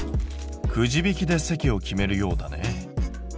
くじ引きで席を決めるようだね。